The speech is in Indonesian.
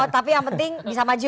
tapi yang penting bisa maju